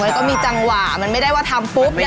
มันก็มีจังหวะมันไม่ได้ว่าทำปุ๊บ